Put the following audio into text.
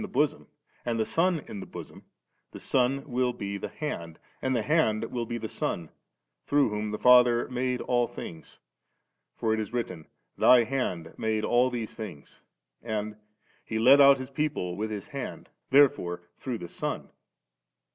the bosom, and the Son in the bosom, the Son will be the Hand, and the Hand will be the Son, through whom the Father made all things; for it is written, *Thy Hand made all these things,' and ' He led out His people with His Hand*;' therefore through the Son.